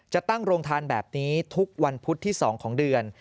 จะตั้งโรงทานแบบนี้ทุกวันพุธที่๒ของเดือน